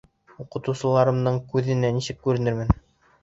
Уҡытыусыларымдың күҙенә нисек күренермен?